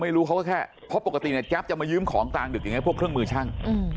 ไม่รู้ว่าแค่ปกติไนกพอยึ่มของกลางดึกไอ้พวกเครื่องมือช่าง